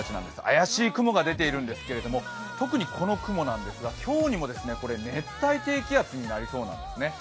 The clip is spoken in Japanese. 怪しい雲が出ているんですけど、特にこの雲なんですが今日にも熱帯低気圧になりそうなんですね。